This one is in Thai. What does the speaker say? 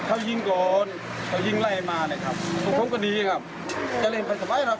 เขายิงก่อนเขายิงไล่มานะครับเขาโท๊คกูดีอย่างงี้ครับ